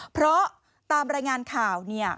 เพราะตามรายงานข่าว